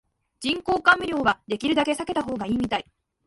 人工甘味料はできるだけ避けた方がいいみたい